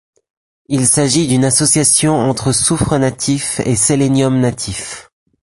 Il s'agit d'une association entre soufre natif et sélénium natif.